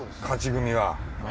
勝ち組は。